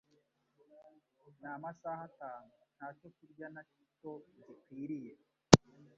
n’amasaha atanu. Nta cyokurya na gito gikwiriye